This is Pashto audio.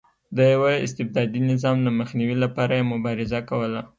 د یوه استبدادي نظام د مخنیوي لپاره یې مبارزه کوله.